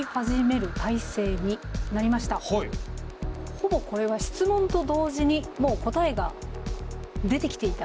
ほぼこれは質問と同時にもう答えが出てきていた？